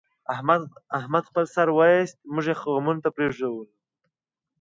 احمد خپل سر وایست، موږ یې غمونو ته پرېښودلو.